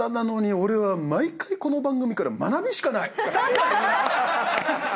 俺は毎回この番組から学びしかない。